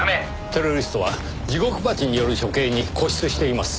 テロリストはジゴクバチによる処刑に固執しています。